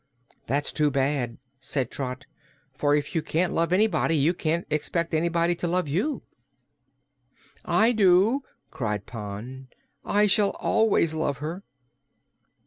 "That's too bad," said Trot, "for, if you can't love anybody, you can't expect anybody to love you." "I do!" cried Pon. "I shall always love her."